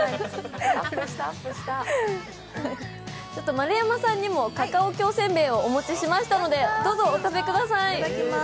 丸山さんにもカカオ京せんべえをお持ちしましたので、どうぞお食べください。